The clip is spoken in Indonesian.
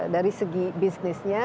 dari segi bisnisnya